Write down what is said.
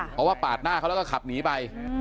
เพราะว่าปาดหน้าเขาแล้วก็ขับหนีไป